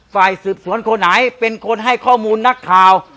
ฝ่ายสืบสวนคนไหนเป็นคนให้ข้อมูลนักข่าว